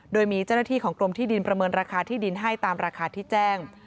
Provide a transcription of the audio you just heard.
โดยมีเจ้าหน้าที่ของกรมที่ดินประเมินราคาที่ดินให้ตามราคาที่แจ้ง